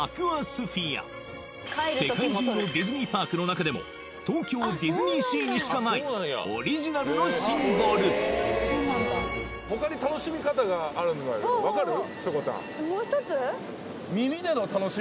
世界中のディズニーパークの中でも東京ディズニーシーにしかないオリジナルのシンボルしょこたんもう一つ？